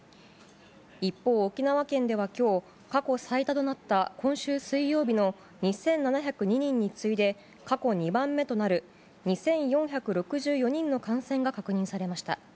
一方、沖縄県ではきょう、過去最多となった今週水曜日の２７０２人に次いで、過去２番目となる２４６４人の感染が確認されました。